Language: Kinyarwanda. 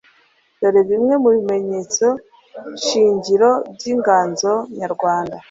dore bimwe mu bimenyetsoshingiroby'inganzo nyarwanda